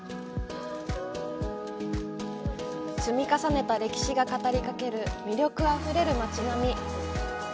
積み重ねた歴史が語りかける魅力あふれる街並み。